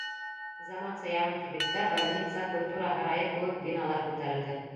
Заманса яңы кибеттәр, больница, культура һарайы кеүек биналар күтәрелде.